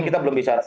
ini kita belum bisa